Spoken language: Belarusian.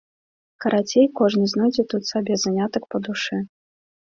Карацей, кожны знойдзе тут сабе занятак па душы.